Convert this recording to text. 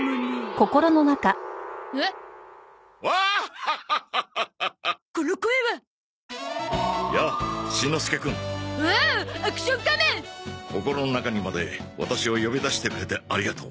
心の中にまでワタシを呼び出してくれてありがとう。